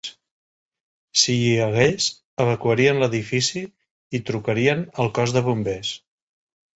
Si hi hagués, evacuarien l'edifici i trucarien al cos de bombers.